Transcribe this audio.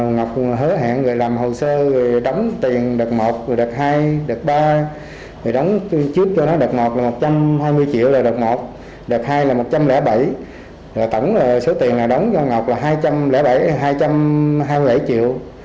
ngọc hứa hẹn làm hồ sơ đóng tiền đợt một đợt hai đợt ba đợt một là một trăm hai mươi triệu đợt hai là một trăm linh bảy tổng số tiền đóng cho ngọc là hai trăm hai mươi triệu